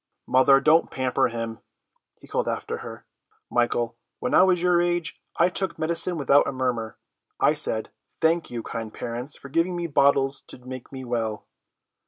"Mother, don't pamper him," he called after her. "Michael, when I was your age I took medicine without a murmur. I said, 'Thank you, kind parents, for giving me bottles to make me well.